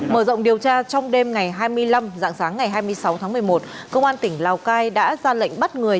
mở rộng điều tra trong đêm ngày hai mươi năm dạng sáng ngày hai mươi sáu tháng một mươi một công an tỉnh lào cai đã ra lệnh bắt người